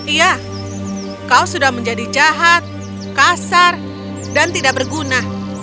iya kau sudah menjadi jahat kasar dan tidak berguna